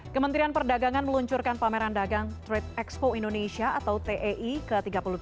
kementerian perdagangan meluncurkan pameran dagang trade expo indonesia atau tei ke tiga puluh tiga